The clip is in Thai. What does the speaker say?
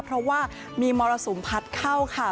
เพราะว่ามีมรสุมพัดเข้าค่ะ